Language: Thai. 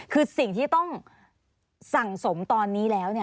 คือสิ่งที่ต้องสั่งสมตอนนี้แล้ว